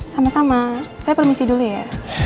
sama sama saya permisi dulu ya